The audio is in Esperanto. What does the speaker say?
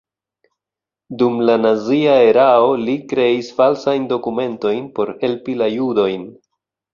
Dum la nazia erao li kreis falsajn dokumentojn por helpi la judojn.